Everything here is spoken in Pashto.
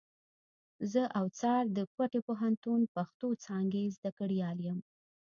زه اوڅار د کوټي پوهنتون پښتو څانګي زدهکړيال یم.